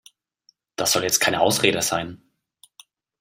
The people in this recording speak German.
Das soll jetzt keine Ausrede sein.